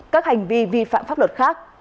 các hành vi vi phạm pháp luật khác